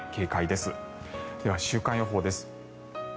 では、週間予報です。